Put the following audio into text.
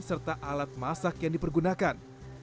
serta alat masak yang dipergunakan